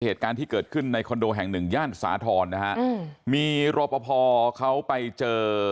เหตุการณ์ที่เกิดขึ้นในคอนโดแห่งหนึ่งย่านสาธรณ์นะฮะอืมมีรอปภเขาไปเจอ